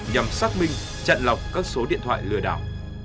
nhằm xác minh chặn lọc các số điện thoại lừa đảo